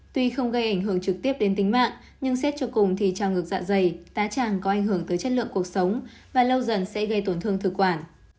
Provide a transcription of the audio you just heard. tuy không gây ảnh hưởng trực tiếp đến tính mạng nhưng xét cho cùng thì trào ngược dạ dày tá tràng có ảnh hưởng tới chất lượng cuộc sống và lâu dần sẽ gây tổn thương thực quản